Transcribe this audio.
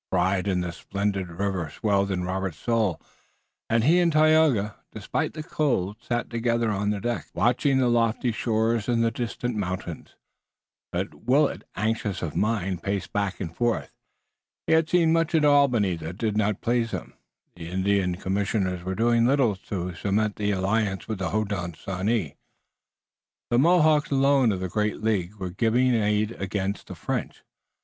Pride in the splendid river swelled in Robert's soul and he and Tayoga, despite the cold, sat together on the deck, watching the lofty shores and the distant mountains. But Willet, anxious of mind, paced back and forth. He had seen much at Albany that did not please him. The Indian Commissioners were doing little to cement the alliance with the Hodenosaunee. The Mohawks, alone of the great League, were giving aid against the French.